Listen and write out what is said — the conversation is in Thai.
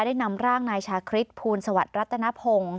ได้นำร่างนายชาคริสภูลสวัสดิ์รัตนพงศ์